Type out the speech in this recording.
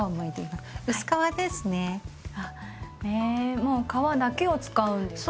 もう皮だけを使うんですか？